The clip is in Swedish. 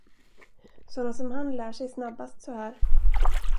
Såna som han lär sig snabbast så här.